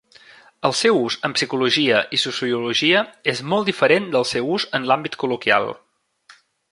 El seu ús en psicologia i sociologia és molt diferent del seu ús en l'àmbit col·loquial.